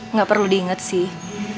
enggak perlu diinget sih